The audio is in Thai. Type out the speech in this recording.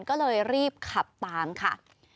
ก็เลยรีบขับตามค่ะ